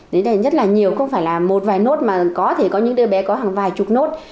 đấy là nhất là nhiều không phải là một vài nốt mà có thể có những đứa bé có hàng vài chục nốt